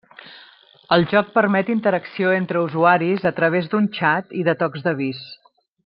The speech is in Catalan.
El joc permet interacció entre usuaris a través d'un xat i de tocs d'avís.